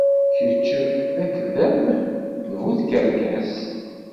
Kečč d akeddab, d bu tkerkas.